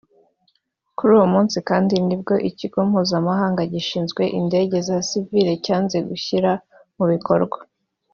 Kuri uwo munsi kandi ni bwo Ikigo Mpuzamahanga gishinzwe indege za gisivili cyanze gushyira mu bikorwa